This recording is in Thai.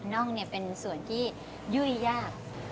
น่องเป็นส่วนที่ยุ่ยยาก